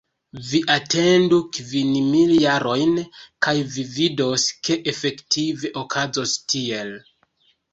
Vi atendu kvin mil jarojn, kaj vi vidos, ke efektive okazos tiel.